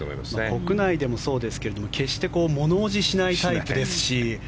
国内でもそうですけど決して物おじしないタイプですし。